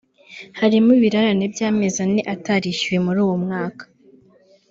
Harimo ibirarane by’amezi ane atarishyuwe muri uwo mwaka